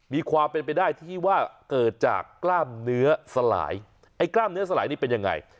มีความเป็นไปได้ที่ว่าเกิดจากกล้ามเนื้อสลายไอ้กล้ามเนื้อสลายนี่เป็นยังไง